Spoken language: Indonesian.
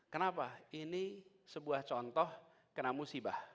kenapa ini sebuah contoh kena musibah